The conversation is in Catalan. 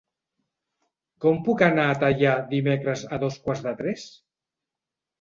Com puc anar a Teià dimecres a dos quarts de tres?